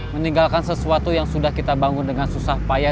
meninggalkan sesuatu yang sudah kita bangun dengan susah payah